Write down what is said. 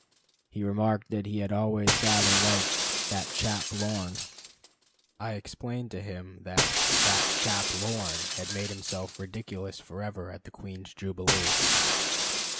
He remarked that he had always rather liked "that chap Lorne." I explained to him that "that chap Lorne" had made himself ridiculous forever at the Queen's Jubilee.